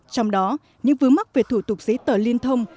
trong đó những vướng mắc về thủ tục giấy tờ liên thông